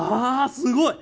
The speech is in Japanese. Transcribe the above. すごい。